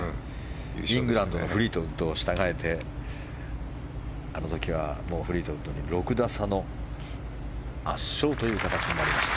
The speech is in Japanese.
イングランドのフフリートウッドを従えてあの時はフリートウッドに６打差の圧勝という形になりました。